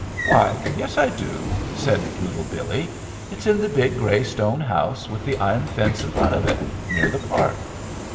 "Why, yes, I do," said Little Billee. "It's in the big gray stone house with the iron fence in front of it, near the park."